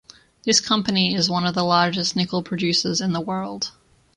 This company is one of the largest nickel producers in the world.